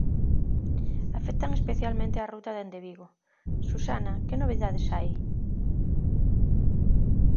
Afectan especialmente a ruta dende Vigo, Susana, que novidades hai?